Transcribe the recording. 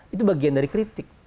itu bagian dari kritik